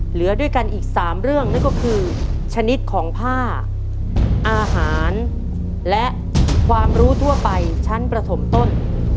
เหลือด้วยกันอีก๓เรื่องนั่นก็คือชนิดของผ้าอาหารและความรู้ทั่วไปชั้นประถมต้น